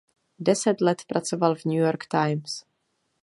Deset let pracoval v "New York Times".